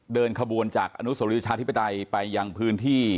เดินขบวนจากอนุสรีประชาธิปไตยไปยังพื้นที่